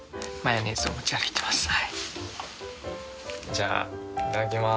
じゃあいただきます。